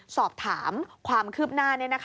สอบถามความคืบหน้า